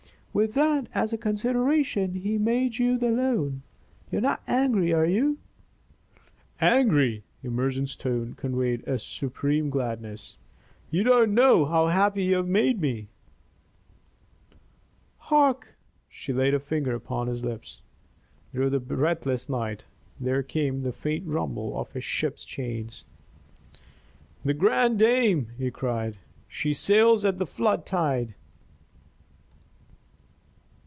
With that as a consideration, he made you the loan. You are not angry, are you?" "Angry!" Emerson's tone conveyed a supreme gladness. "You don't know how happy you have made me." "Hark!" She laid a finger upon his lips. Through the breathless night there came the faint rumble of a ship's chains. "The Grande Dame!" he cried. "She sails at the flood tide."